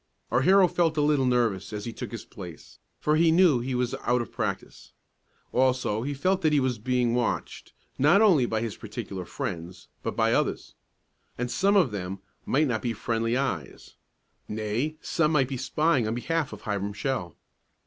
Our hero felt a little nervous as he took his place, for he knew he was out of practice. Also he felt that he was being watched, not only by his particular friends, but by others. And some of them might not be friendly eyes nay, some might be spying on behalf of Hiram Shell.